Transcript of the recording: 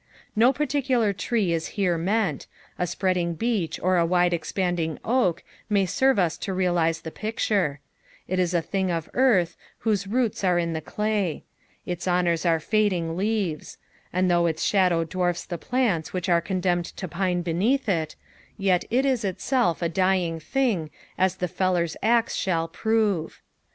No particular tree is here meant, a spreading beech or a wide expanding oak maj serve us to realine the picture ; it ie a thing of earth, whose roots are in the claj ; its honours are fading leaves ; and though its shadow dwarfs the plants which are condemnfld to pine beneath It, yet it is itself a dying thing as the feller's aze shsll pruve.